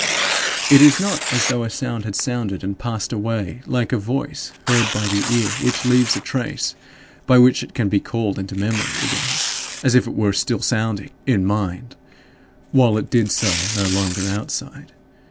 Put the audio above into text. It is not as though a sound had sounded and passed away like a voice heard by the ear which leaves a trace by which it can be called into memory again, as if it were still sounding in mind while it did so no longer outside.